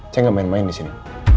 saya nggak main main di sini